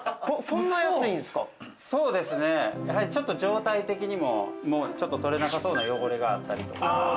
そうですねやはりちょっと状態的にも取れなさそうな汚れがあったり。